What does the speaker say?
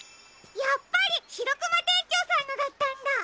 やっぱりシロクマ店長さんのだったんだ。